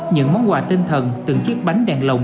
những món quà tinh thần từng chiếc bánh đèn lồng